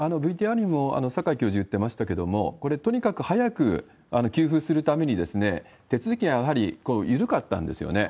ＶＴＲにも、酒井教授言ってましたけど、これ、とにかく早く給付するために、手続きがやはり緩かったんですよね。